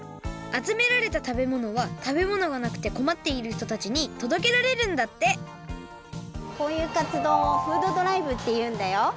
あつめられた食べ物は食べ物がなくてこまっているひとたちにとどけられるんだってこういうかつどうをフードドライブっていうんだよ。